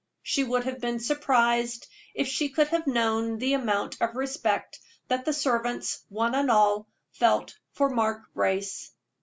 She would have been surprised if she could have known the amount of respect that the servants, one and all, felt for Mark Brace.